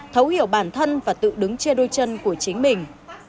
thấu hiểu bản thân và tự đứng chia đôi chân của chính mình